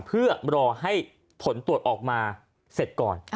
เพื่อรอให้ผลตรวจออกมาเสร็จก่อน